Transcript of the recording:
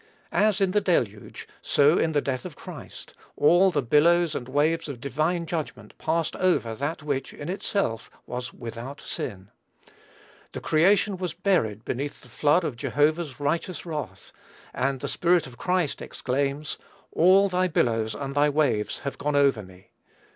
As in the Deluge, so in the death of Christ, all the billows and waves of divine judgment passed over that which, in itself, was without sin. The creation was buried beneath the flood Of Jehovah's righteous wrath; and the Spirit of Christ exclaims, "All thy billows and thy waves have gone over me."